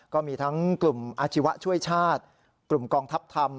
ก็มีทั้งกลุ่มอาชีวะช่วยชาติกลุ่มกองทัพธรรม